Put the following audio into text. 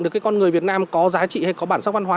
được cái con người việt nam có giá trị hay có bản sắc văn hóa